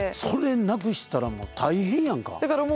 それなくしたら大変やんか！